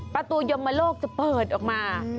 ประตูยมโลกจะเปิดออกมา